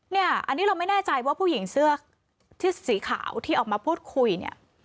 เนี่ยอันนี้เราไม่แน่ใจว่าผู้หญิงเสื้อที่สีขาวที่ออกมาพูดคุยเนี่ย